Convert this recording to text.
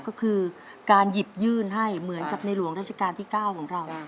ก็คือการหยิบยื่นให้เหมือนกับในหลวงราชการที่๙ของเรา